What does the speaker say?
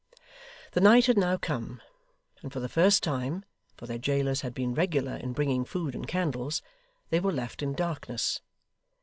The night had now come; and for the first time (for their jailers had been regular in bringing food and candles), they were left in darkness.